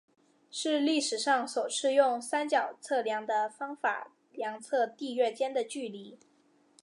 是历史上首次用三角测量的方法量测地月间的距离。